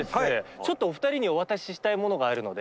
ちょっとお二人にお渡ししたいものがあるので。